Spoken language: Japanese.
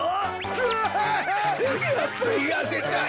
うわやっぱりやせたい。